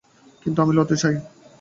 কিন্তু আমি লড়তে চাই।